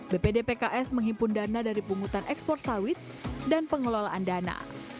bpdpks menghimpun dana dari pungutan ekspor sawit dan pengelolaan dana